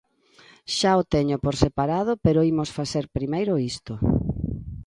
Xa o teño por separado, pero imos facer primeiro isto.